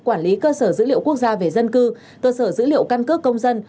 quản lý cơ sở dữ liệu quốc gia về dân cư cơ sở dữ liệu căn cước công dân